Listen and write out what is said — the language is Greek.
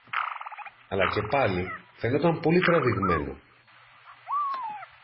αλλά και πάλι φαινόταν πολύ τραβηγμένο